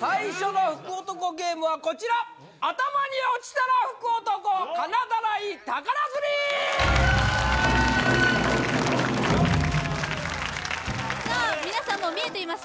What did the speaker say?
最初の福男ゲームはこちら頭に落ちたら福男金ダライ宝釣りさあ皆さんも見えていますね